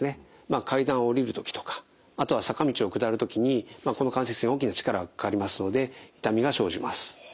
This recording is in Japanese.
階段を下りる時とかあとは坂道を下る時にこの関節に大きな力がかかりますので痛みが生じます。